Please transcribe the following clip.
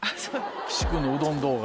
岸君のうどん動画。